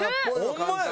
ホンマや！